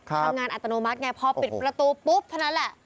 ทำงานอัตโนมัติไงพอปิดประตูปุ๊บเท่านั้นแหละ